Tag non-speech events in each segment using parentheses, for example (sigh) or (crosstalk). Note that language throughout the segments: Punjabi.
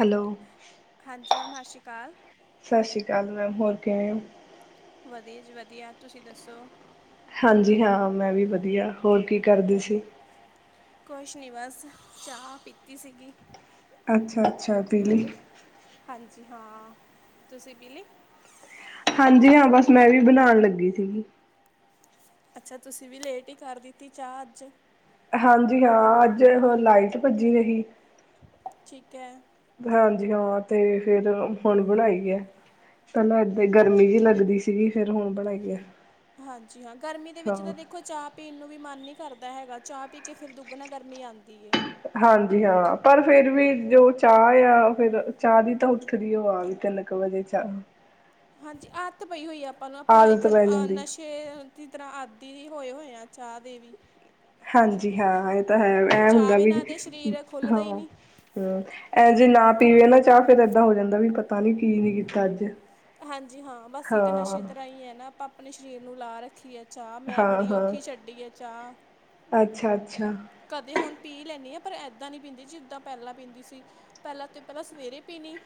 ਹੈਲੋ ਹਾਂਜੀ ਮੈਮ ਸਾਸੀ ਕਾਲ। ਸਾਸ਼ੀ ਕਾਲ ਮੈਮ ਹੋਰ ਕਿਵੇਂ ਓਂ ਵਦੀਆ ਜੀ ਵਦੀਆ ਤੁਸੀ ਦੱਸੋ ਹਾਂਜੀ ਹਾਂ ਮੈ ਵੀ ਵਦੀਆ ਹੋਰ ਕੀ ਕਰਦੇ ਸੀ। ਕੁਛ ਨੀ ਬਸ ਚਾਅ ਪੀਤੀ ਸੀਗੀ। ਅੱਛਾ-ਅੱਛਾ ਪੀਲੀ। ਹਾਂਜੀ ਹਾਂ, ਤੁਸੀਂ ਪੀਲੀ। ਹਾਂਜੀ ਹਾਂ ਬਸ ਮੈਂ ਵੀ ਬਨਾਨ ਲੱਗੀ ਸੀਗੀ। ਅੱਛਾ ਤੁਸੀਂ ਵੀ ਲੇਟ ਈ ਕਰ ਦਿੱਤੀ ਚਾਅ ਅੱਜ। ਹਾਂਜੀ ਹਾਂ ਅੱਜ ਓਹੋ ਲਾਈਟ ਭੱਜੀ ਰਹੀ। ਠੀਕ ਐ। ਹਾਂਜੀ ਹਾਂ ਤੇ ਫੇਰ ਹੁਨ ਬਨਾਈ ਐ। ਪੈਲਾਂ ਏਦਾਂ ਈ ਗਰਮੀ ਜੀ ਲੱਗਦੀ ਸੀਗੀ ਫੇਰ ਹੁਨ ਬਨਾਈ ਐ। ਹਾਂਜੀ ਹਾਂ ਗਰਮੀ ਦੇ ਵਿੱਚ ਤਾਂ ਦੇਖੋ ਚਾਅ ਪੀਨ ਨੂੰ ਵੀ ਮਨ ਨੀ ਕਰਦਾ ਹੈਗਾ ਚਾ ਪੀ ਕੇ ਫਿਰ ਦੁੱਗਨਾ ਗਰਮੀ ਆਂਦੀ ਏ। ਹਾਂਜੀ ਹਾਂ ਪਰ ਫੇਰ ਵੀ ਜੋ ਚਾਅ ਆ ਫੇਰ ਚਾ ਦੀ ਤਾਂ ਉੱਠਦੀ ਓ ਆ ਵੀ ਤਿੰਨ ਕ ਵਜੇ ਚਾਅ ਹਾਂਜੀ ਆਤ ਪਈ ਹੋਈ ਆ ਆਪਾਂ ਨੂੰ ਆਪਾਂ ਆਦਤ ਇੱਕ ਪੈ ਅ ਜਾਂਦੀ। ਨਸ਼ ਕੇ ਉਸੀ ਤਰ੍ਹਾਂ ਆਦਿ ਹੋਏ-ਹੋਏ ਆ ਚਾਹ ਦੇ ਵੀ। ਹਾਂਜੀ ਹਾਂ ਏ ਤਾਂ ਹੈ ਐ ਚਾਹ ਹੁੰਦਾ ਵੀ ਬਿਨਾਂ ਤੇ ਸਰੀਰ ਖੁੱਲ੍ਹਦਾ ਹਾਂ। ਹੀ ਨਹੀਂ ਹਾਂ ਐ ਜੇ ਨਾ ਪੀਵੇ ਨਾ ਚਾਹ ਫਿਰ ਏਦਾਂ ਹੋ ਜਾਂਦਾ ਵੀ ਪਤਾ ਨੀ ਕੀ ਰੀਤ ਅੱਜ। ਹਾਂਜੀ ਹਾਂ ਬਸ ਇੱਕ ਹਾਂ ਨਸ਼ੇ ਤਰ੍ਹਾਂ ਈ ਐ ਨਾ ਆਪਾਂ ਆਪਣੇ ਸਰੀਰ ਨੂੰ ਲਾ ਰੱਖੀਏ ਚਾਹ ਮੈਂ ਬੜੀ ਔਖੀ ਛੱਡੀ ਐ ਚਾਹ ਅੱਛਾ-ਅੱਛਾ। ਕਦੇ ਹੁਣ ਪੀ ਲੈਂਨੀ ਆ ਪਰ ਇੱਦਾਂ ਨੀ ਪੀਂਦੀ ਜਿੱਦਾਂ ਪੈਲਾਂ ਪੀਂਦੀ ਸੀ। ਪੈਲਾਂ ਤੇ ਪੈਲਾਂ ਸਵੇਰੇ ਪੀਣੀ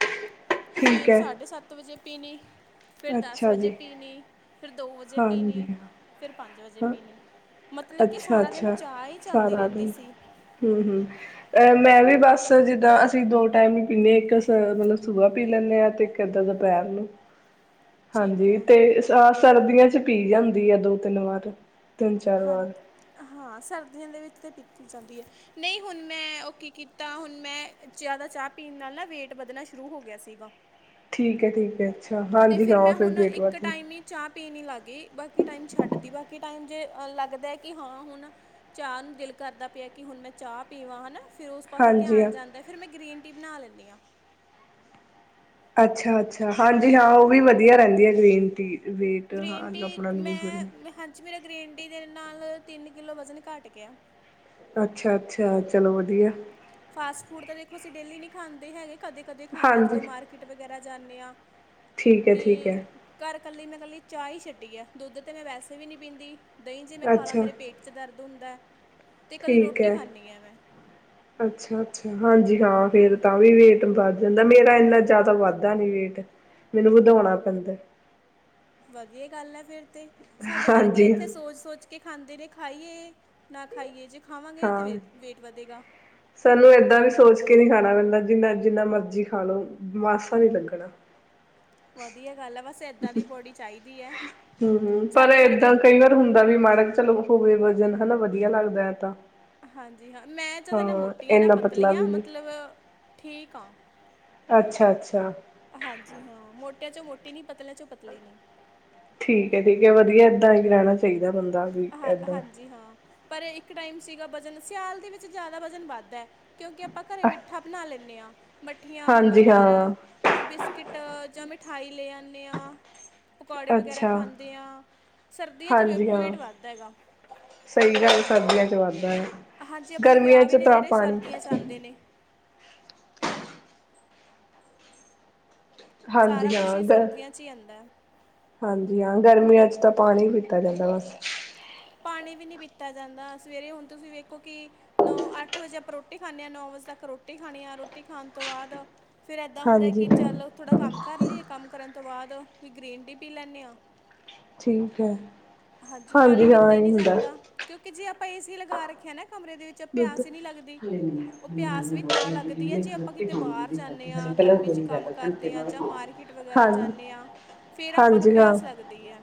ਠੀਕ ਫਿਰ ਹੈ ਸਾਢੇ ਸੱਤ ਵਜੇ ਪੀਣੀ। ਫਿਰ ਦਸ ਅੱਛਾ ਵਜੇ ਜੀ ਪੀਣੀ ਫਿਰ ਦੋ ਵਜੇ ਹਾਂਜੀ ਪੀਣੀ। ਹਾਂ ਫਿਰ ਪੰਜ ਵਜੇ ਪੀਣੀ ਮਤਲਬ ਕੀ ਅੱਛਾ ਸਾਰਾ ਦਿਨ ਚਾਹ ਈ ਚੱਲ- ਹੂੰ-ਹੂੰ ਅ ਮੈਂ ਵੀ ਬਸ ਜਿੱਦਾਂ ਅਸੀਂ ਦੋ ਟਾਈਮ ਈ ਪੀਂਨੇ ਆ ਇੱਕ ਸ ਮਤਲਬ ਸੂਬਾ ਪੀ ਲੈਂਨੇ ਆ ਤੇ ਇੱਕ (unintelligible) ਦੁਪਹਿਰ ਨੂੰ। (inaudible) ਹਾਂਜੀ ਹੈ ਤੇ ਅ ਸਰਦੀਆਂ ਚ ਪੀ ਜਾਂਦੀ ਆ ਦੋ ਤਿੰਨ-ਵਾਰ ਤਿੰਨ-ਚਾਰ ਹਾਂ ਵਾਰ। ਹਾਂ ਸਰਦੀਆਂ ਦੇ ਵਿੱਚ ਤੇ ਪੀਤੀ ਜਾਂਦੀ ਏ। ਨਈ ਹੁਣ ਮੈਂ ਓ ਕੀ ਕੀਤਾ ਹੁਣ ਮੈਂ ਜਿਆਦਾ ਚਾਹ ਪੀਣ ਨਾਲ ਨਾ ਵੇਟ ਵਧਣਾ ਸ਼ੁਰੂ ਹੋ ਗਿਆ ਸੀਗਾ। ਠੀਕ ਐ ਠੀਕ ਐ ਅੱਛਾ ਅਤੇ ਹਾਂਜੀ ਹਾਂ ਮੈਂ ਫਿਰ ਹੁਣ ਵੇਟ ਇੱਕ ਵਧ ਟਾਈਮ ਹੀ ਚਾਹ ਪੀ ਨੀ ਲਾਗੀ ਬਾਕੀ ਟਾਈਮ ਛੱਡ ਤੀ ਬਾਕੀ ਟਾਈਮ ਜੇ ਲੱਗਦਾ ਕੀ ਹਾਂ ਹੁਣ ਚਾਹ ਨੂੰ ਦਿਲ ਕਰਦਾ ਪਿਆ ਕੀ ਹੁਣ ਮੈਂ ਚਾਹ ਪੀਵਾਂ ਹਨਾ ਫਿਰ ਓਸ ਉਸ ਪਾਸੇ ਹਾਂਜੀ ਹਾਂ ਧਿਆਨ ਜਾਂਦਾ ਫਿਰ ਮੈਂ ਗ੍ਰੀਨ ਟੀ ਬਣਾ ਲੈਂਨੀ ਆ। ਅੱਛਾ-ਅੱਛਾ ਹਾਂਜੀ ਹਾਂ ਓ ਵੀ ਵਧੀਆ ਰੈਂਦੀ ਐ ਗ੍ਰੀਨ ਟੀ। ਵੇਟ ਹਾਂ ਗ੍ਰੀਨ ਟੀ ਆਪਣਾ ਲੂਜ ਹੋ ਜਾਂਦਾ ਮੈਂ ਹਾਂਜੀ ਮੇਰਾ ਗ੍ਰੀਨ ਟੀ ਦੇ ਨਾਲ ਤਿੰਨ ਕਿੱਲੋ ਵਜ਼ਨ ਘੱਟ ਗਿਆ। ਅੱਛਾ-ਅੱਛਾ ਚਲੋ ਵਧੀਆ। ਫਾਸਟ-ਫੂਡ ਤਾਂ ਦੇਖੋ ਅਸੀਂ ਡੇਲੀ ਨੀ ਖਾਂਦੇ ਹੈਗੇ ਕਦੇ ਕਦੇ ਖਾਂਦੇ ਆ ਜਦੋਂ ਹਾਂਜੀ ਮਾਰਕੀਟ ਵਗੈਰਾ ਜਾਨੇ ਆ ਠੀਕ ਹੈ ਤੇ ਠੀਕ ਹੈ ਘਰ ਕੱਲੀ ਮੈਂ ਕੱਲੀ ਚਾਹ ਹੀ ਛੱਡੀ ਐ ਦੁੱਧ ਤੇ ਮੈਂ ਵੈਸੇ ਵੀ ਨੀ ਪੀਦੀ ਦਈ ਜੇ ਮੈਂ ਖਾ ਲਾ ਅੱਛਾ ਮੇਰੇ ਪੇਟ ਚ ਦਰਦ ਹੁੰਦਾ। ਤੇ ਕੱਲੀ ਠੀਕ ਰੋਟੀ ਐ। ਖਾਂਦੀ ਆ ਮੈਂ ਅੱਛਾ-ਅੱਛਾ ਹਾਂਜੀ ਹਾਂ ਫਿਰ ਤਾਂ ਵੀ ਵੇਟ ਵੱਧ ਜਾਂਦਾ ਮੇਰਾ ਐਨਾ ਜਾਦਾ ਵੱਧਦਾ ਨੀ ਵੇਟ। ਮੈਨੂੰ ਵਧਾਉਣਾ ਪੈਂਦਾ। ਵਧੀਆ ਗੱਲ ਐ ਫਿਰ ਤੇ ਸਾਡੇ ਵਰਗੇ ਹਾਂਜੀ ਏਥੇ ਸੋਚ-ਸੋਚ ਕੇ ਖਾਂਦੇ ਨੇ ਖਾਈਏ ਨਾ ਖਾਈਏ ਜੇ ਖਾਵਾਂਗੇ ਤਾਂ ਹਾਂ ਵੇ ਵੇਟ ਵਧੇਗਾ। ਸਾਨੂੰ ਏਦਾਂ ਵੀ ਸੋਚ ਕੇ ਨੀ ਖਾਣਾ ਪੈਂਦਾ ਜਿੰਨਾ-ਜਿੰਨਾ ਮਰਜੀ ਖਾ ਲਓ ਮਾਸਾ ਨੀ ਲੱਗਣਾ। ਵਧੀਆ ਗੱਲ ਐ ਬਸ ਐਦਾਂ ਦੀ ਬੌਡੀ ਚਾਹੀਦੀ ਐ ਹੂੰ ਹੂੰ ਪਰ ਸਾਡੇ ਵਰਗੇ ਏਦਾਂ ਕਈ ਵਾਰ ਹੁੰਦਾ ਵੀ ਮਾੜਾ ਚਲੋ ਹੋਵੇ ਵਜ਼ਨ ਹਨਾ ਵਧੀਆ ਲੱਗਦਾ ਐ ਤਾਂ ਹਾਂਜੀ ਹਾਂ। ਮੈਂ ਜਾਂਦਾ ਨਾ ਹਾਂ ਮੋਟੀ ਆਂ ਨਾ ਇੰਨਾ ਪਤਲਾ ਪਤਲੀ ਆਂ ਵੀ ਨੀ ਮਤਲਬ ਠੀਕ ਆਂ। ਅੱਛਾ-ਅੱਛਾ। ਹਾਂਜੀ ਹਾਂ। ਮੋਟਿਆ ਚੋਂ ਮੋਟੀ ਨੀ ਪਤਲੇ ਚੋਂ ਪਤਲੀ ਨੀ। ਠੀਕ ਐ-ਠੀਕ ਐ ਵਧੀਆ ਏਦਾਂ ਈ ਰਹਿਣਾ ਚਾਈਦਾ ਬੰਦਾ। ਵੀ ਅ ਏਦਾਂ ਹਾਂਜੀ ਹਾਂ। ਪਰ ਇਕ ਟਾਈਮ ਸੀਗਾ ਵਜਨ ਸਿਆਲ ਦੇ ਵਿੱਚ ਜਾਦਾ ਵਜਨ ਵੱਧਦਾ ਹੈ। ਕਿਉਂਕਿ ਆਪਾਂ ਘਰੇ ਮਿੱਠਾ ਬਣਾ ਲੈਣੇ ਆ। ਮੱਠੀਆਂ, ਹਾਂਜੀ ਮਟਰ। ਹਾਂ ਨਾ ਬਿਸਕਿਟ ਜਾਂ ਮਿਠਾਈ ਲੈ ਆਣੇ ਆ। ਪਕੌੜੇ ਵਗੈਰਾ ਅੱਛਾ ਖਾਂਦੇ ਆ। ਸਰਦੀਆਂ ਚ ਵ ਵੇਟ ਵੱਧ ਸਈ ਗੱਲ, ਸਰਦੀਆਂ ਚ ਵੱਧਦਾ ਯਾ। ਗਰਮੀਆਂ ਚ ਤਾ ਪਾਣੀ ਹੁੰਦੇ ਨੇ। ਸਾਰਾ ਹਾਂਜੀ, ਕੁਝ ਹਾਂ ਹੀ ਦੈ। ਸਰਦੀਆਂ 'ਚ ਹੀ ਆਉਂਦਾ ਹੈ ਹਾਂਜੀ, ਹਾਂ ਗਰਮੀਆਂ ਚ ਤਾਂ ਪਾਣੀ ਪੀਤਾ ਜਾਂਦਾ ਬਸ। ਪਾਣੀ ਵੀ ਨੀ ਪੀਤਾ ਜਾਂਦਾ। ਸਵੇਰੇ ਹੁਣ ਤੁਸੀਂ ਵੇਖੋ ਕਿ ਨੌ ਅੱਠ ਵੱਜੇ ਆਪਾਂ ਰੋਟੀ ਖਾਣੇ ਆਂ, ਨੌ ਵੱਜੇ ਤੱਕ ਰੋਟੀ ਖਾਣੀ ਆ, ਰੋਟੀ ਖਾਣ ਤੋਂ ਵਾਦ ਫਿਰ ਏਦਾ ਹੁੰਦਾ ਹਾਂਜੀ ਕਿ, ਚੱਲ ਥੋੜ੍ਹਾ ਕੰਮ ਕਰ ਲੀਏ। ਕੰਮ ਕਰਨ ਤੋਂ ਵਾਦ, ਵੀ ਗਰੀਨ ਟੀ ਪੀ ਲੈਣੇ ਆਂ। ਠੀਕ ਐ। ਹਾਂਜੀ, ਪਾਣੀ ਹਾਂ ਪੀਤਾ ਈ ਇਹ ਨੀ ਹੁੰਦਾ। ਜਾਂਦਾ। ਕਿਉਂਕਿ ਜੇ ਆਪਾਂ, ਏਸੀ ਲਗਾ ਰੱਖਿਆ ਨਾ, ਕਮਰੇ ਵਿੱਚ ਚ ਦੁੱਧ ਪਿਆਸ ਈ ਨੀ ਲਗਦੀ। ਹਲੇ ਨੀ ਓ ਮੈਨੂੰ ਪਿਆਸ ਗਰਮੀ ਵੀ ਬਹੁਤ ਤਾਂ ਲੱਗ ਰਹੀ ਲਗਦੀ ਐ, ਮੈਂ ਜੇ ਇੱਕ ਆਪਾਂ ਰੋਟੀ ਕਿਤੇ ਖਾਊਂਗੀ ਬਾਰ ਦੀ ਜਾਣੇ ਖਾਧੀ ਹਲੇ ਆ, ਪਹਿਲਾਂ ਗਰਮੀ ਚ ਕੋਈ ਕੰਮ ਗੱਲ ਘੰਟੇ ਕਾਰਦੇ ਆ, ਬਾਅਦ ਜਾਂ ਖਾਊਂਗੀ। ਮਾਰਕੀਟ ਵਗੈਰਾ ਹਾਂਜੀ, ਜਾਣੇ ਆ। ਫੇਰ ਆਪਾਂ ਨੂੰ ਹਾਂਜੀ ਹਾਂ। ਪਿਆਸ ਲਗਦੀ ਐ।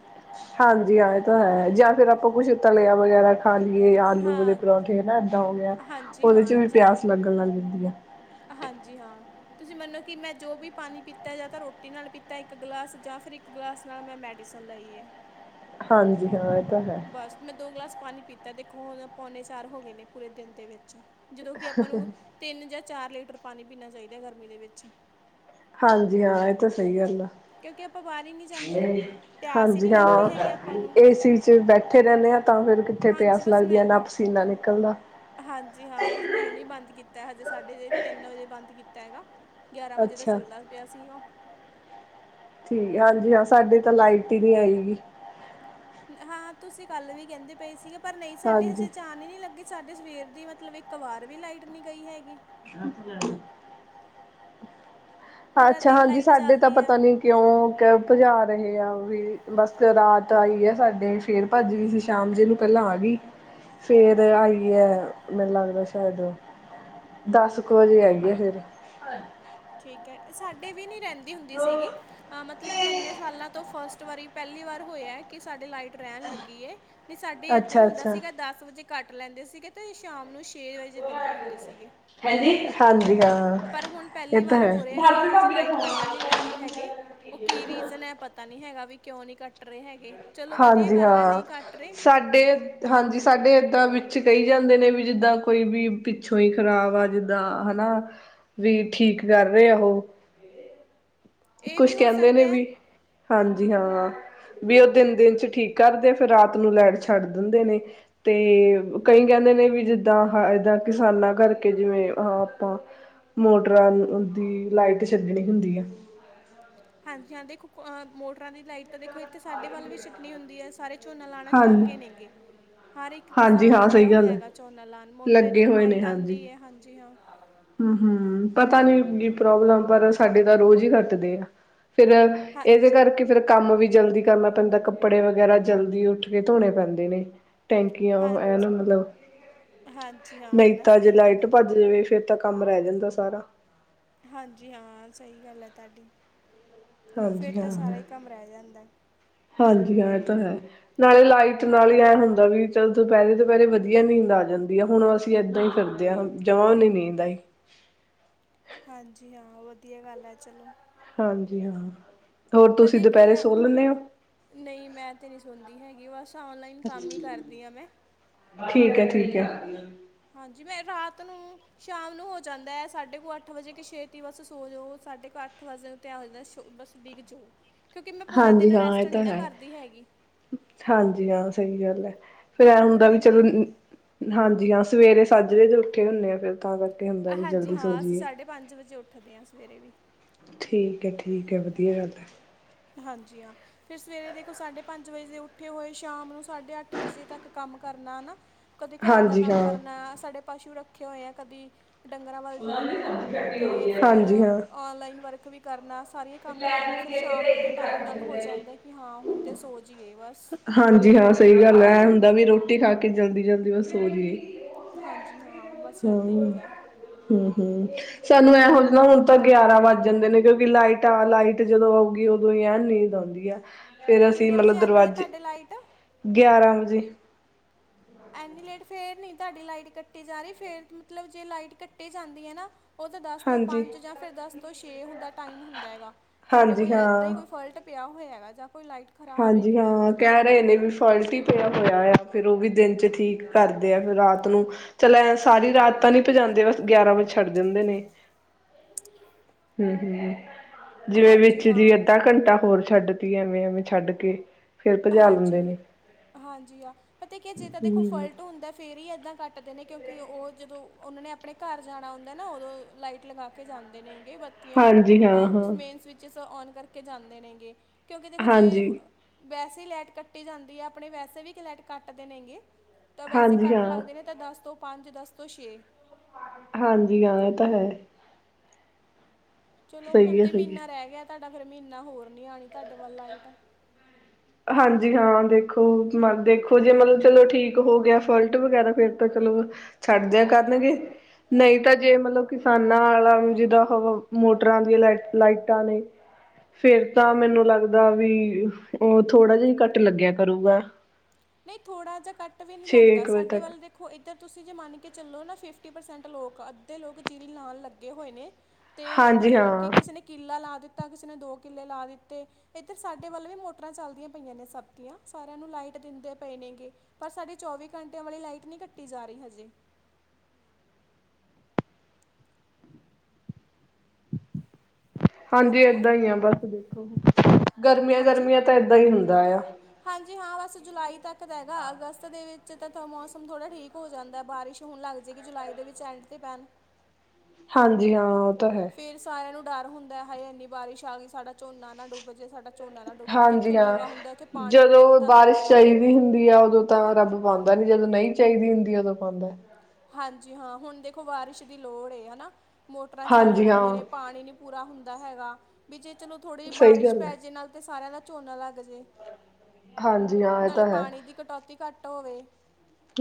ਹਾਂਜੀ, ਹਾਂ ਏ ਤਾਂ ਹੈ। ਜਾਂ ਫੇਰ ਆਪਾਂ ਕੁੱਛ ਤਲਿਆ ਵਗੈਰਾ ਖਾਂ ਲੀਏ ਯਾ ਆਲੂ ਵਲੇ ਹਾਂ ਪਰੌਂਠੇ ਫੇਰ ਨਾ ਐਦਾਂ ਹੋ ਗਿਆ। ਹਾਂਜੀ ਉਹਦੇ ਚ ਵੀ ਪਿਆਸ ਲਗਣ ਲਗ ਜਾਂਦੀ ਐ। ਅ ਹਾਂਜੀ ਹਾਂ। ਤੁਸੀਂ ਮੰਨੋ, ਕਿ ਮੈਂ ਜੋ ਵੀ ਪਾਣੀ ਪੀਤੈ ਯਾ ਤਾਂ ਰੋਟੀ ਨਾਲ ਪੀਤੈ ਇਕ ਗਲਾਸ ਜਾਂ ਫਿਰ ਇਕ ਗਲਾਸ ਨਾਲ, ਮੈਂ ਮੈਡੀਸਨ ਲਈ ਐ। ਹਾਂਜੀ, ਹਾਂ ਐ ਤਾਂ ਹੈ। ਬਸ ਮੈਂ ਦੋ ਗਲਾਸ ਪਾਣੀ ਪੀਤੈ, ਦੇਖੋ ਹੁਣ ਪੋਣੇ ਚਾਰ ਹੋਗੇ ਨੇ, ਪੂਰੇ ਦੇਨ ਦੇ ਵਿਚ। ਜਦੋਂ ਕਿ ਆਪਾਂ ਨੂੰ, ਤਿੰਨ ਜਾ ਚਾਰ ਲੀਟਰ ਪਾਣੀ ਪੀਣਾ ਚਾਈਦੈ, ਗਰਮੀ ਦੇ ਵੇਚ। ਹਾਂਜੀ ਹਾਂ, ਐ ਤਾ ਸਈ ਗੱਲ ਆ। ਕਿਉਂਕਿ ਆਪਾਂ ਬਾਹਰ ਹੀ ਨਹੀਂ ਜਾਂਦੇ ਪਿਆਸ ਹੀ ਹਾਂਜੀ ਨਹੀਂ ਹਾਂ, ਲੱਗਦੀ ਹੈਗੀ ਆਪਾਂ ਨੂੰ ਏਸੀ ਚ ਬੈਠੇ ਰੈਣੇ ਆ। ਤਾਂ ਫੇਰ ਕਿੱਥੇ ਹਾਂਜੀ ਪਿਆਸ ਬਸ ਲਾਗਦੀ ਆ, ਮੈਂ ਨਾ ਪਸੀਨਾ ਨਿਕਲਦਾ ਹਾਂਜੀ ਹਾਂ, ਬਸ ਮੈਂ ਹੁਣੀ ਬੰਦ ਕੀਤਾ ਹੈ, ਹਜ਼ੇ ਸਾਢੇ ਤੇਨ ਵੱਜੇ ਬੰਦ ਕੀਤਾ ਹੈਗਾ। ਗਿਆਰਾਂ ਵੱਜੇ ਦਾ ਅੱਛਾ ਚਲਦਾ ਪਿਆ ਸੀ ਔ। ਠੀਕ ਹਾਂਜੀ ਹਾਂ, ਸਾਡੇ ਤਾਂ ਲਾਈ ਟੀਵੀ ਆਈ ਨੀ। ਹਾਂ, ਤੁਸੀਂ ਕੱਲ ਵੀ ਕੈਨਦੇ ਪਏ ਸੀਗੇ, ਪਰ ਨਈ ਸਾਡੇ ਹਾਂਜੀ। ਹਜ਼ੇ ਚੈਨਲ ਈ ਨੀ ਲਗੇ। ਸਾਡੇ ਸਵੇਰ ਦੀ ਮਤਲਬ, ਇਕ ਵਾਰ ਵੀ ਲਾਈਟ ਨੀ ਗਈ ਹੈਗੀ। ਪੂਰਾ ਅੱਛਾ, ਦਿਨ ਹਾਂਜੀ ਲਾਈਟ ਸਾਡੇ ਤਾਂ ਚੱਲਦੀ ਆ ਪਤਾ ਨੀ ਕਿਉਂ ਕ ਪਜਾ ਰਹੇ ਆ ਵੀ, ਬਸ ਰਾਤ ਆਈ ਆ ਸਾਡੇ। ਫੇਰ ਪੱਜ ਗੀ ਸੀ ਸ਼ਾਮ, ਜੇ ਨੂੰ ਪੈਲਾਂ ਆਗੀ। ਫੇਰ ਆਈਏ, ਮੈਨੂੰ ਲਗਦਾ ਸ਼ੈਦ ਦੱਸ ਕੁ ਵੱਜੇ, ਆਈਏ ਫੇਰ। ਠੀਕ ਐ, ਸਾਡੇ ਵੀ ਨੀ ਰਹੰਦੀ ਹੁੰਦੀ ਸੀਗੀ, ਮਤਲਬ ਕਿ ਏਨੇ ਸਾਲਾਂ ਤੋਂ ਫਸਟ ਵਰੀ ਪੈਲੀ ਵਾਰ ਹੋਇਆ, ਕਿ ਸਾਡੇ ਲਾਈਟ ਰੈਨ ਲਗੀ ਏ। ਨੀ ਸਾਡੇ ਏਦਾਂ ਈ ਹੁੰਦਾ, ਅੱਛਾ-ਅੱਛਾ। ਸੀਗਾ ਦਸ ਵੱਜੇ ਕੱਟ ਲੈਂਦੇ ਸੀਗੇ, ਤੇ ਸ਼ਾਮ ਨੂੰ ਛੇ ਵੱਜੇ ਦਿੰਦੇ ਹੁੰਦੇ ਸੀਗੇ। ਹੈਂਜੀ, ਹਾਂਜੀ ਹਾਂ। ਪਰ ਹੁਣ ਇਹ ਪੈਲੀ ਤਾਂ ਵਾਰ ਹੋ ਰੈਏ, ਕਿ ਹਜ਼ੇ ਲਾਈਟ ਹੈ। ਕੱਟਣ ਨੀ ਲੱਗੀ। ਗੇ ਹੈਗੇ। ਓ ਕੀ ਰੀਅਜ਼ਨ ਐ, ਪਤਾ ਨੀ ਹੈਗਾ ਵੀ ਕਿਉਂ ਨੀ ਕੱਟ ਟ ਰੇ ਹੈਗੇ। ਚਲੋ ਵਧੀਆ ਗੱਲ ਐ, ਨਈ ਕੱਟ ਰੇ। ਡੇ ਹਾਂਜੀ, ਸਾਡੇ ਏਦਾਂ ਵਿੱਚ ਕਈ ਜਾਂਦੇ ਨੇ ਵੀ, ਜਿੱਦਾਂ ਕੋਈ ਵੀ ਪਿੱਛ ਤੁਇ ਖ਼ਰਾਬ ਆ ਜਿੱਦਾਂ, ਹਨਾ ਵੀ, ਠੀਕ ਕਰ ਰਏ ਉਹੋ। ਇਹ ਵੀ ਕੁੱਛ ਹੋ ਕਹਿੰਦੇ ਸਕਦਾ ਨੇਂ ਹੈ ਵੀ। ਹਾਂਜੀ ਹਾਂ। ਵੀ ਉਹ ਦਿਨ ਦੇ ਵਿੱਚ ਠੀਕ ਕਰਦੇਂ। ਫ਼ਿਰ ਰਾਤ ਨੂੰ ਲੈਟ ਛੱਡ ਦਿੰਦੇਂ ਨੇਂ। ਤੇ ਕਈ ਕਹਿੰਦੇ ਨੇਂ ਵੀ, ਜਿੱਦਾਂ ਏਦਾਂ ਕਿਸਾਨਾਂ ਕਰਕੇ ਜਿਵੇਂ ਆਪਾਂ।। ਮੋਟਰਾਂ ਦੀ ਲਾਈਟ ਛੱਡਣੀ ਹੁੰਦੀਂ ਆ। ਹਾਂਜੀ ਹਾਂ ਦੇਖੋਂ ਮੋਟਰਾਂ ਦੀ ਲਾਈਟ ਤਾਂ ਦੇਖੋਂ। ਤੇ ਸਾਡੇ ਵੱਲ਼ ਵੀ ਛੱਡਣੀ ਹੁੰਦੀਂ ਹੈਂ ਸਾਰੇ ਝੋਨਾਂ ਲਾਉਂਣ ਹਾਂਜੀ ਲੱਗ ਨੇਂ ਗੇ। ਹਰ ਇੱਕ ਹਾਂਜੀ ਕਿਸਾਨ ਹਾਂ ਲੱਗਿਆਂ ਸਹੀ ਹੋਇਆਂ ਗੱਲ ਹੈ ਹੈਗਾ ਝੋਨਾਂ ਲਾਣ ਮੋਟਰ ਲੱਗੇ ਇੱਧਰ ਲਾਈਟ ਆਂਦੀ ਏਂ ਹਾਂਜੀ ਹਾਂ। ਹਾਂ-ਹਾਂ ਪਤਾਂ ਨੀਂ ਕੀ ਪ੍ਰੋਬਲਮ ਆ ਸਾਡੇ ਤਾਂ ਰੋਜ਼ ਹੀ ਕੱਟਦੇ ਆ ਫਿਰ ਇਹਦੇ ਹਾਂਜੀ ਕਰਕੇ ਫਿਰ ਕੰਮ ਵੀ ਜ਼ਲਦੀ ਕਰਨਾਂ ਪੈਂਦਾਂ ਕੱਪੜੇ ਵਗੈਰਾ ਜ਼ਲਦੀ ਉੱਠ ਕੇ ਧੋਣੇ ਪੈਂਦੇ ਨੇਂ। ਟੈਂਕੀਆਂ ਹਾਂ ਐਲ ਮੱਤਲਬ ਹਾਂਜੀ ਹਾਂ ਨਈ ਨਾ ਤਾਂ ਜੇ ਸਹੀ ਗੱਲ ਲਾਈਟ ਹੈ ਭੱਜ ਜਾਵੇ ਫਿਰ ਤਾਂ ਕੰਮ ਰਹਿ ਜਾਂਦਾ ਸਾਰਾ ਹਾਂਜੀ ਹਾਂ ਸਈ ਗੱਲ ਹੈ ਤੁਹਾਡੀ ਫਿਰ ਹਾਂਜੀ ਤਾਂ ਹਾਂ, ਸਾਰਾ ਹੀ ਕੰਮ ਰਹਿ ਜਾਂਦੈ। ਹਾਂਜੀ ਇਹ ਤਾਂ ਹੈ। ਨਾਲ਼ੇ ਲਾਈਟ ਨਾਲ ਹੀ ਐ ਹੁੰਦਾਂ ਵੀ ਚਲ ਦੁਪੈਰੇ-ਦੁਪੈਰੇ ਵਧੀਆਂ ਨੀਂਦ ਆ ਜਾਂਦੀ ਆ ਹੁਣ ਅਸੀਂ ਐਦਾਂ ਹੀ ਫਿਰਦ ਜਿ ਹੁਣ ਜਮਾਂ ਨੀ ਨੀਂਦ ਆਈ। ਹਾਂਜੀ ਹਾਂ ਵਧੀਆਂ ਗੱਲ ਐ ਚਲੋ। ਹਾਂਜੀ ਹਾਂ। ਹੋਰ ਤੁਸੀਂ ਪਤਾ ਕੀ ਦੁਪਹਿਰੇ ਆ ਸੋ ਲੈਂਦੇ ਹੋ ਨਈ ਮੈਂ ਤੇ ਨੀ ਸੁਣਦੀ ਹੈਗੀ ਬਸ ਔਨਲਾਈਨ ਕੰਮ ਹੀ ਕਰਦੀ ਹਾਂ ਮੈਂ ਠੀਕ ਹੈ- ਠੀਕ ਹੈ। ਹਾਂਜੀ ਮੈਂ ਰਾਤ ਨੂੰ ਸ਼ਾਮ ਨੂੰ ਹੋ ਜਾਂਦਾਂ ਹੈ ਸਾਢੇ ਕੁ ਅੱਠ ਵਜ਼ੇ ਕੇ ਛੇਤੀਂ ਬਸ ਸੋ ਜਾਓ ਸਾਢੇ ਕੁ ਅੱਠ ਵਜ ਤੇ ਆਹ ਹੋ ਜਾਂਦਾ ਬਸ ਡਿੱਗ ਜਾਓ ਕਿਉਂਕਿ ਮੈਂ ਪੂਰਾਂ ਦਿਨ ਹਾਂਜੀ ਹਾਂ ਰੈਸਟ ਇਹ ਨੀਂ ਤਾਂ ਨਾ ਹੈ ਕਰਦੀ ਹੈਗੀ। ਹਾਂਜੀ ਹਾਂ ਸਈ ਗੱਲ ਹੈ ਫਿਰ ਐ ਕਿਉਂਕਿ ਪੂਰੇ ਹੁੰਦਾਂ ਵੀ ਦਿਨ ਦੀ ਚਲੋ। ਅ, ਹਾਂਜੀ ਹਾਂ ਸਵੇਰੇ ਸਾਝਰੇ ਦੇ ਉੱਠੇ ਹੁੰਦੇ ਆ ਫਿਰ ਤਾਂ ਕਰਕੇ ਹੁੰਦਾ ਵੀ ਹਾਂਜੀ ਜਲਦੀ ਸੋ ਹਾਂ ਅਸੀਂ ਜਾਈਏ ਸਾਢੇ ਪੰਜ ਵਜ਼ੇ ਉੱਠਦੇ ਹਾਂ ਸਵੇਰੇ ਵੀ ਠੀਕ ਹੈ ਠੀਕ ਹੈ ਵਧੀਆਂ ਗੱਲ ਹੈ। ਹਾਂਜੀ ਹਾਂ। ਫਿਰ ਸਵੇਰੇ ਦੇਖੋ ਸਾਂਢੇ ਪੰਜ ਵਜ਼ੇ ਦੇ ਉੱਠੇ ਹੋਏ ਸ਼ਾਮ ਨੂੰ ਸਾਢੇ ਅੱਠ ਵਜ਼ੇ ਤੱਕ ਕੰਮ ਕਰਨਾ ਹਨਾ। ਕਦੀ ਘਰ ਦਾ ਹਾਂਜੀ ਕੰਮ ਹਾਂ ਕਰਨਾ ਸਾਡੇ ਪਸ਼ੂ ਰੱਖੇ ਹੋਏ ਆ ਕਦੀ ਡੰਗਰਾਂ ਵੱਲ ਜਾਣਾਂ ਹਾਂਜੀ ਤੇ ਫਿਰ ਹਾਂ ਔਨਲਾਈਨ ਵਰਕ ਵੀ ਕਰਨਾਂ ਸਾਰੀਆਂ ਕੰਮ ਕਰਨੇ ਫਿਰ ਸ਼ਾਮ ਨੂੰ ਟਾਇਮ ਨਾਲ ਹੋ ਜਾਂਦਾ ਕਿ ਹਾਂ ਹੁਣ ਤਾਂ ਸੋ ਜਾਈਏ ਬਸ ਹਾਂਜੀ ਹਾਂ ਸਈ ਗੱਲ ਹੈ ਐ ਹੁੰਦਾਂ ਵੀ ਰੋਟੀ ਖਾ ਕੇ ਜ਼ਲਦੀ-ਜ਼ਲਦੀ ਬਸ ਸੋ ਜਾਈਏ। ਹਾਂਜੀ ਹਾਂ ਬਸ ਐਦਾਂ ਹੀ ਹਾਂ ਹੁੰਦਾਂ। ਸਾਨੂੰ ਐਂ ਹੁੰਦਾਂ ਹੁਣ ਤਾਂ ਗਿਆਰਾਂ ਵੱਜ ਜਾਂਦੇ ਨੇ ਕਿਉਂਕਿ ਲਾਈਟ ਜਾਂ ਲਾਈਟ ਜਦੋਂ ਆਉਗੀ ਉਦੋਂ ਹੀ ਐਂ ਨੀਂਦ ਆਉਂਦੀ ਆ। ਫਿਰ ਅਸੀਂ ਕਿੰਨੇ ਵਜੇ ਮਤਲਬ ਆਂਦੀ ਹੈ ਦਰਵਾਜ਼ੇ ਤੁਹਾਡੇ ਲਾਈਟ ਗਿਆਰਾਂ ਵਜ਼ੇ ਐਨੀ ਲੇਟ ਫਿਰ ਨੀ ਤੁਹਾਡੀ ਲਾਈਟ ਕੱਟੀ ਜਾ ਰਈ ਫਿਰ ਮਤਲਬ ਜੇ ਲਾਈਟ ਕੱਟੀ ਜਾਂਦੀ ਏ ਨਾ। ਓ ਤਾਂ ਦਸ ਤੋਂ ਹਾਂਜੀ ਪੰਜ ਜਾਂ ਫਿਰ ਦਸ ਤੋਂ ਛੇ ਹੁੰਦਾਂ ਟਾਇਮ ਹੁੰਦਾਂ ਹੈਗਾ ਤੁਹਾਡੇ ਕੋਈ ਹਾਂਜੀ ਇੱਦਾਂ ਹੀ ਹਾਂ ਕੋਈ ਫਲਟ ਪਿਆ ਹੋਇਆਂ ਹੈਗਾ ਜਾਂ ਕੋਈ ਲਾਈਟ ਖਰਾਬ ਹੈ ਹਾਂਜੀ ਕਿਤੇ ਹਾਂ। ਕਹਿ ਰਏ ਨੇ ਵੀ ਫਲਟ ਹੀ ਪਿਆ ਹੋਇਆ ਆ ਫਿਰ ਓ ਵੀ ਦਿਨ 'ਚ ਠੀਕ ਕਰਦੇ ਆ ਫਿਰ ਰਾਤ ਨੂੰ ਚੱਲ ਐਂ ਸਾਰੀ ਰਾਤ ਤਾਂ ਨੀ ਭਜਾਂਦੇ ਬਸ ਗਿਆਰਾਂ ਵਜ਼ੇ ਛੱਡ ਦਿੰਦੇ ਨੇ। (inaudible) (inaudible) ਜਿਵੇਂ ਹਾਂਜੀ ਵਿੱਚ ਜੇ ਹਾਂ ਅੱਧਾ ਘੰਟਾਂ ਹੋਰ ਛੱਡ ਦੀਏਏ ਐਂਵੇਂ-ਐਂਵੇਂ ਛੱਡ ਕੇ ਫੇਰ ਭਜਾ ਲੈਂਦੇ ਹਾਂਜੀ ਨੇ ਹਾਂਜੀ ਹਾਂ ਪਤਾ ਕਿ ਜੇ ਤਾਂ ਦੇਖੋ ਹੂੰ ਫਲਟ ਹੁੰਦਾਂ। ਫ਼ਿਰ ਈ ਏਦਾਂ ਕੱਟਦੇ ਨੇਂ। ਕਿਉਂਕਿ ਉਹ ਜਦੋਂ ਉਹਨਾਂ ਨੇਂ ਆਪਣੇਂ ਘਰ ਜਾਣਾਂ ਹੁੰਦਾਂ ਨਾ ਉਦੋਂ ਲਾਈਟ। ਲਗਾਂ ਕੇ ਜਾਂਦੇ ਨੇਂ ਗੇ ਬੱਤੀਆਂ ਹਾਂਜੀ ਆ ਹਾਂ-ਹਾਂ ਮੇਨ ਸਵਿੱਚ ਸ ਔਨ ਕਰਕੇ ਜਾਂਦੇ ਨੇਗੇ ਕਿਉਂਕਿ ਦੇਖੋ ਜੇ ਹਾਂਜੀ, ਵੈਸੇ ਲਾਈਟ ਕੱਟੀ ਜਾਂਦੀ ਆ ਆਪਣੇ ਵੈਸੇ ਵੀ ਤ ਲੈਟ ਕੱਟ ਦੇ ਨੇਗੇ ਤਾਂ ਵੈਸੇ ਹਾਂਜੀ ਕਟ ਹਾਂ, ਲੱਗਦੇ ਨੇ ਤਾਂ ਦਸ ਤੋਂ ਪੰਜ, ਦਸ ਤੋਂ ਛੇ ਹਾਂਜੀ ਹਾਂ, ਇਹ ਤਾਂ ਹੈ ਚਲੋ ਹੁਣ ਸਹੀ ਹੈ, ਤੇ ਸਹੀ ਹੈ। ਮਹੀਨਾ ਰਹਿ ਗਿਆ ਤੁਹਾਡਾ ਫੇਰ ਮਹੀਨਾ ਹੋਰ ਨੀ ਆਉਣੀ ਤੁਹਾਡੇ ਵੱਲ ਲਾਈਟ ਹਾਂਜੀ ਹਾਂ ਦੇਖੋ ਮ ਦੇਖੋ ਜੇ ਮਤਲਬ ਚਲੋ ਠੀਕ ਹੋ ਗਿਆ ਫਲਟ ਵਗੈਰਾ ਫਿਰ ਤਾਂ ਚਲੋ ਛੱਡਦਿਆਂ ਕਰਨਗੇ ਨਹੀਂ ਤਾਂ ਜੇ ਮਤਲਬ ਕਿਸਾਨਾਂ ਆਲਾ ਜਿਦਾਂ ਉਹ ਮੋਟਰਾਂ ਦੀਆਂ ਲ ਲਾਈਟਾਂ ਨੇ ਫੇਰ ਤਾਂ ਮੈਨੂੰ ਲੱਗਦਾ ਵੀ ਉਹ ਥੋੜਾ ਜਿ ਕਟ ਲੱਗਿਆ ਕਰੂਗਾ ਨਹੀਂ ਥੋੜਾ ਜਿਹਾ ਕੱਟ ਵੀ ਨੀ ਛੇ ਲੱਗਦਾ ਕੁ ਵਜੇ ਸਾਡੇ ਤੱਕ ਵੱਲ ਦੇਖੋ ਇੱਧਰ ਤੁਸੀਂ ਜੇ ਮੰਨ ਕੇ ਚਲੋ ਨਾ ਫਿਫਟੀ ਪਰਸੈਂਟ ਲੋਕ ਅੱਧੇ ਲੋਕ ਜੀਰੀ ਲਾਣ ਲੱਗੇ ਹੋਏ ਨੇ। ਤੇ ਹਾਂਜੀ ਮਤਲਬ ਕਿ ਹਾਂ, ਕਿਸੇ ਨੇ ਕਿੱਲਾ ਲਾ ਦਿੱਤਾ ਕਿਸੇ ਨੇ ਦੋ ਕਿੱਲੇ ਲਾ ਦਿੱਤੇ ਇੱਧਰ ਸਾਡੇ ਵੱਲ ਵੀ ਮੋਟਰਾਂ ਚੱਲਦੀਆਂ ਪਈਆਂ ਨੇ ਸਭ ਦੀਆਂ ਸਾਰਿਆਂ ਨੂੰ ਲਾਈਟ ਦਿੰਦੇ ਪਏ ਨੇਗੇ ਪਰ ਸਾਡੇ ਚੌਵੀ ਘੰਟਿਆਂ ਵਾਲੀ ਲਾਈਟ ਨਹੀਂ ਕੱਟੀ ਜਾ ਰਹੀ ਹਜੇ ਹਾਂਜੀ ਹੈਲੋ ਏਦਾਂ ਹੀ ਆ ਬਸ ਗਰਮੀਆਂ ਹਾਂਜੀ ਗਰਮੀਆਂ ਤਾਂ ਏਦਾਂ ਹੀ ਹੁੰਦਾ ਆ ਹਾਂਜੀ ਹਾਂ ਬਸ ਜੁਲਾਈ ਤੱਕ ਹੈਗਾ ਅਗਸਤ ਦੇ ਵਿੱਚ ਤਾਂ ਮੌਸਮ ਥੋੜ੍ਹਾ ਠੀਕ ਹੋ ਜਾਂਦਾ ਬਾਰਿਸ਼ ਹੁਣ ਲੱਗ ਜਾਏਗੀ ਜੁਲਾਈ ਦੇ ਵਿੱਚ ਐਂਡ ਤੇ ਪੈਣ ਹਾਂਜੀ ਹਾਂ ਉਹ ਤਾਂ ਹੈ ਫੇਰ ਸਾਰਿਆਂ ਨੂੰ ਡਰ ਹੁੰਦਾ ਹਾਏ ਇੰਨੀ ਬਾਰਿਸ਼ ਆ ਗਈ ਸਾਡਾ ਝੋਨਾ ਨਾ ਡੁੱਬ ਜੇ ਸਾਡਾ ਝੋਨਾ ਨਾ ਡੁੱਬਜੇ ਜਿਥੇ ਹਾਂਜੀ ਹਾਂ। ਨੀਵਾਂ ਹੁੰਦਾ ਉੱਥੇ ਪਾਣੀ ਵੀ ਜਦੋਂ ਬਹੁਤ ਆਂਦੇ ਨੇ ਬਾਰਿਸ਼ ਚਾਹੀਦੀ ਹੁੰਦੀ ਆ ਉਦੋਂ ਤਾਂ ਰੱਬ ਪਾਉਂਦਾ ਨੀ ਜਦੋਂ ਨਹੀਂ ਚਾਹੀਦੀ ਹੁੰਦੀ ਉਦੋਂ ਪਾਉਂਦਾ ਹਾਂਜੀ ਹਾਂ ਹੁਣ ਦੇਖੋ ਬਾਰਿਸ਼ ਦੀ ਲੋੜ ਏ ਹਨਾ ਮੋਟਰਾਂ ਚੱਲਦੀਆਂ ਹਾਂਜੀ ਪਈਆਂ ਹਾਂ ਨੇ ਪਾਣੀ ਨੀ ਪੂਰਾ ਹੁੰਦਾ ਹੈਗਾ ਵੀ ਜੇ ਚਲੋ ਥੋੜ੍ਹੀ ਜਿਹੀ ਸਹੀ ਬਾਰਿਸ਼ ਗੱਲ ਪੈ ਹੈ ਜੇ ਨਾਲ ਤੇ ਸਾਰਿਆਂ ਦਾ ਝੋਨਾ ਲੱਗ ਜੇ ਹਾਂਜੀ ਹਾਂ ਇਹ ਨਾਲੇ ਤਾਂ ਹੈ। ਪਾਣੀ ਦੀ ਕਟੌਤੀ ਘੱਟ ਹੋਵੇ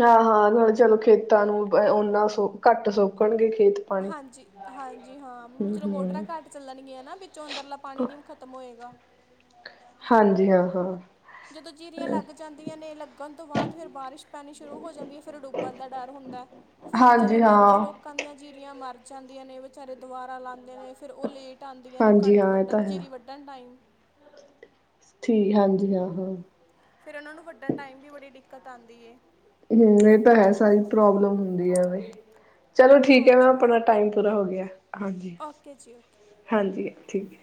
ਹਾਂ ਹਾਂ ਚਲੋ ਖੇਤਾਂ ਨੂੰ ਓਨਾ ਸੋ ਘੱਟ ਸੁੋੱਕਣਗੇ ਖੇਤ ਪਾਣੀ। ਹਾਂਜੀ ਹਾਂਜੀ ਹਾਂ ਹਮ ਚਲੋ ਮੋਟਰਾਂ ਹਮ ਘੱਟ ਚੱਲਣਗੀਆਂ ਨਾ ਵਿੱਚੋਂ ਅੰਦਰਲਾ ਪਾਣੀ ਨੀ ਖਤਮ ਹੋਏਗਾ ਹਾਂਜੀ ਹਾਂ ਹਾਂ ਜਦੋਂ ਜੀਰੀਆਂ ਲੱਗ ਜਾਂਦੀਆਂ ਨੇ ਲੱਗਣ ਤੋਂ ਬਾਅਦ ਫਿਰ ਬਾਰਿਸ਼ ਪੈਣੀ ਸ਼ੁਰੂ ਹੋ ਜਾਂਦੀ ਹੈ ਫਿਰ ਡੁੱਬਣ ਦਾ ਡਰ ਹੁੰਦਾ ਉਹ ਫੇਰ ਬਚਾਰਿਆਂ ਹਾਂਜੀ ਦੀ ਅੱਧੀਆਂ ਹਾਂ। ਲੋਕਾਂ ਦੀਆਂ ਜੀਰੀਆਂ ਮਰ ਜਾਂਦੀਆਂ ਨੇ ਵਿਚਾਰੇ ਦੁਬਾਰਾ ਲਾਦੇ ਨੇ ਫਿਰ ਉਹ ਲੇਟ ਆਉਂਦੀਆਂ ਨੇ ਹਾਂਜੀ ਕਣਕ ਹਾਂ ਇਹ ਤਾਂ ਵੱਢਣ ਹੈ ਜੀਰੀ ਵੱਢਣ ਟਾਈਮ ਠੀਕ ਹਾਂਜੀ ਹਾਂ ਹਾਂ ਫਿਰ ਉਹਨਾਂ ਨੂੰ ਵੱਢਣ ਟਾਈਮ ਵੀ ਬੜੀ ਦਿੱਕਤ ਆਂਦੀ ਏ ਹੂੰ ਇਹ ਤਾਂ ਹੈ ਸਾਰੀ ਪ੍ਰੋਬਲਮ ਹੁੰਦੀ ਐਵੇ ਚਲੋ ਠੀਕ ਹੈ ਮੈਮ ਹਾਂਜੀ ਹਾਂ ਆਪਣਾ ਟਾਈਮ ਪੂਰਾ ਹੋ ਗਿਆ ਹਾਂਜੀ ਓਕੇ ਜੀ ਓਕੇ ਹਾਂਜੀ ਠੀਕ